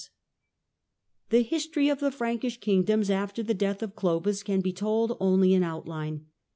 Partitions The history of the Frankish kingdoms after the death E^ kish of Clovis can be told only in outline.